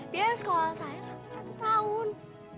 dia sekolah saya sampai satu tahun